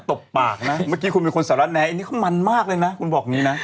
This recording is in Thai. ตบปากนะเมื่อกี้คุณเป็นคนสารแนอันนี้เขามันมากเลยนะคุณบอกอย่างนี้นะ